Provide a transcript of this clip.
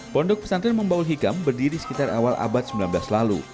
pondok pesantren membaul hikam berdiri sekitar awal abad sembilan belas lalu